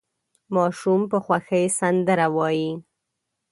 ماشوم په خوښۍ سندره وايي.